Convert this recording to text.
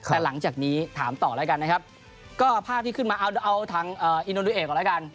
แต่หลังจากนี้ถามต่อแล้วกันนะครับก็ภาพที่ขึ้นมาเอาทางอินโดนดูเอกก่อนแล้วกัน